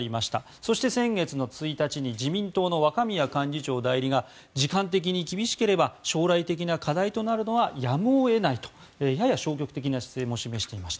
そして先月の１日に自民党の若宮幹事長代理が時間的に厳しければ将来的な課題となるのはやむを得ないとやや消極的な姿勢も見せていました。